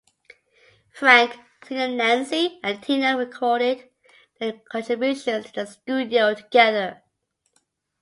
Frank, Senior Nancy and Tina recorded their contributions in the studio together.